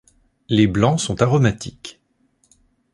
Les blancs sont aromatiques.